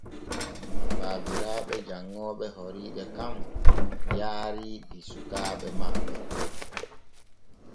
Baabiraaɓe janŋooɓe horiiɓe kan yaari ɗi sukaaɓe maɓɓe.